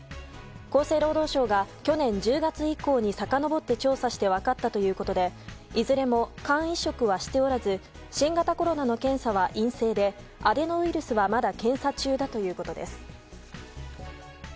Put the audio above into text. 厚生労働省が去年１０月以降にさかのぼって調査して分かったということでいずれも肝移植はしておらず新型コロナの検査は陰性でアデノウイルスはまだ検査中だということです。